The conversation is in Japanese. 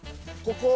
ここ。